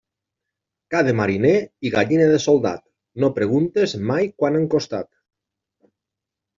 Ca de mariner i gallina de soldat, no preguntes mai quant han costat.